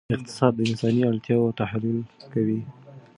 اقتصاد د انساني اړتیاوو تحلیل کوي.